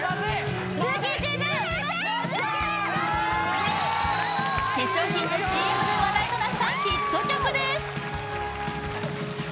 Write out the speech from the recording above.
ルーキーチーム化粧品のＣＭで話題となったヒット曲です